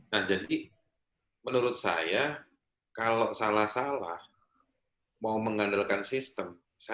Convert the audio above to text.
nah jadi menurut saya kalau salah salah mau mengandalkan sistem